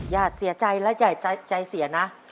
อย่าเสียใจและใหญ่ใจเสียนะ